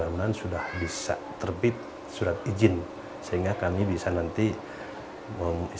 anak anak yang sudah bisa terbit sudah izin sehingga nanti kami bisa membuka kepada publik